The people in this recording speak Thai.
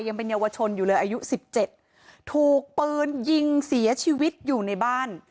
ยังเป็นเยาวชนอยู่เลยอายุสิบเจ็ดถูกปืนยิงเสียชีวิตอยู่ในบ้าน